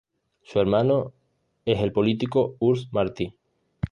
Su hermano es el político Urs Marti.